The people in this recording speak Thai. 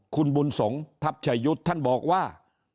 คุณบุญสงฆ์ทัพชายุทธ์ท่านบอกว่า